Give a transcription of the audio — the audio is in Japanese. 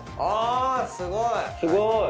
あすごい！